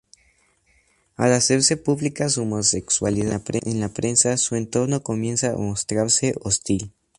Al hacerse pública su homosexualidad en la prensa, su entorno comienza a mostrarse hostil.